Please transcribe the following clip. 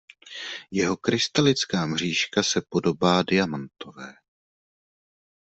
Jeho krystalická mřížka se podobá diamantové.